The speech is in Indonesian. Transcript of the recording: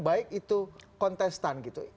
baik itu kontestan gitu